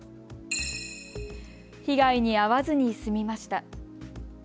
被害に遭わずに済みました。